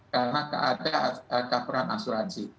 karena ada cover an asuransi